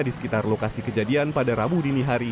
di sekitar lokasi kejadian pada rabu dini hari